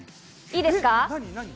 いいですか？